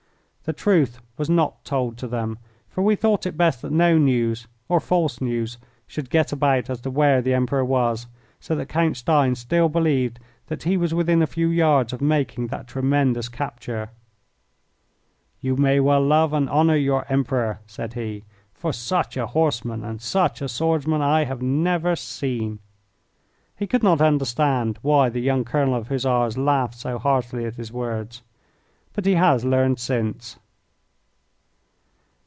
The truth was not told to them, for we thought it best that no news, or false news, should get about as to where the Emperor was, so that Count Stein still believed that he was within a few yards of making that tremendous capture. "You may well love and honour your Emperor," said he, "for such a horseman and such a swordsman I have never seen." He could not understand why the young colonel of Hussars laughed so heartily at his words but he has learned since.